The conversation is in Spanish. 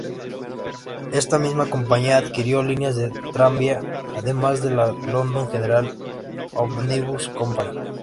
Esta misma compañía adquirió líneas de tranvía, además de la "London General Omnibus Company".